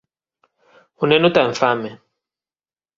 O neno ten fame.